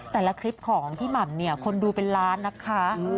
แต่ละคลิปของพี่หม่ำเนี่ยคนดูเป็นล้านนะคะ